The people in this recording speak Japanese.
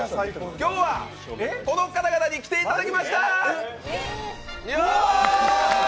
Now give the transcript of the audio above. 今日はこの方々に来ていただきました！